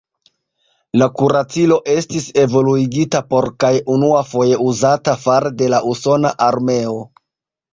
La kuracilo estis evoluigita por kaj unuafoje uzata fare de la usona armeo.